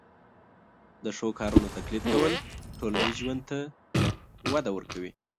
د ښو کارونو تقلید کول ټولنیز ژوند ته وده ورکوي.